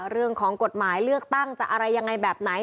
เรื่องของกฎหมายเลือกตั้งจะอะไรยังไงแบบไหน